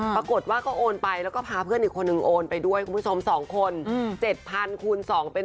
ปรากฏว่าก็โอนไปแล้วก็พาเพื่อนอีกคนนึงโอนไปด้วยคุณผู้ชม๒คน๗๐๐คูณ๒เป็น